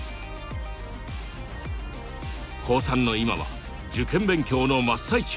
高３の今は受験勉強の真っ最中。